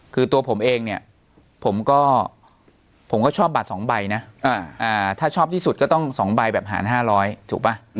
คือตัวผมเองเนี่ยผมก็ผมก็ชอบบัตร๒ใบนะถ้าชอบที่สุดก็ต้อง๒ใบแบบหาร๕๐๐ถูกป่ะ